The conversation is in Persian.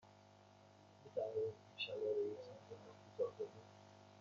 می توانید این شلوار را یک سانتی متر کوتاه کنید؟